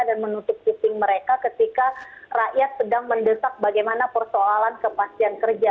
dan menutup kuting mereka ketika rakyat sedang mendesak bagaimana persoalan kepastian kerja